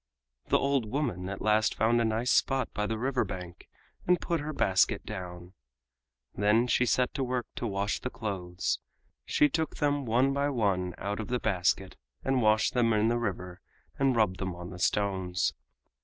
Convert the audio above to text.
The old woman at last found a nice spot by the river bank and put her basket down. Then she set to work to wash the clothes; she took them one by one out of the basket and washed them in the river and rubbed them on the stones.